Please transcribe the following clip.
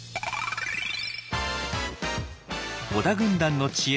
織田軍団の知恵